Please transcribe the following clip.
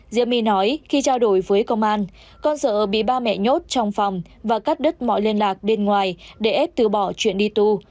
diê my nói khi trao đổi với công an con sợ bị ba mẹ nhốt trong phòng và cắt đứt mọi liên lạc bên ngoài để ép từ bỏ chuyện đi tù